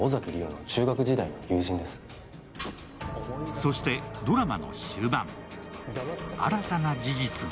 そして、ドラマの終盤、新たな事実が。